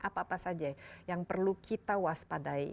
apa apa saja yang perlu kita waspadai